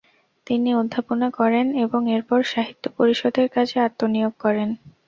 তিনি অধ্যাপনা করেন এবং এরপর সাহিত্য পরিষদের কাজে আত্মনিয়োগ করেন ।